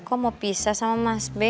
kok mau pisah sama mas b